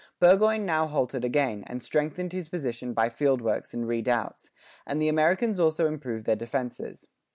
Burgoyne now halted again, and strengthened his position by field works and redoubts; and the Americans also improved their defences.